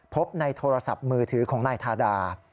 พบในโทรศัพท์มือถือของนายทาดา